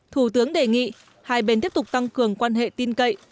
thủ tướng đề nghị hai bên tiếp tục tăng cường quan hệ tin cậy